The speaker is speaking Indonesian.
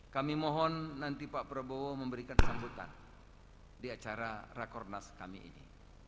kami mohon nanti pak prabowo memberikan sambutan di acara rakornas kami ini